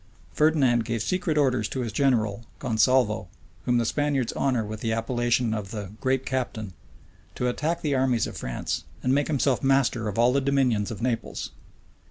Ferdinand gave secret orders to his general, Gonsalvo, whom the Spaniards honor with the appellation of the "great captain," to attack the armies of France, and make himself master of all the dominions of Naples.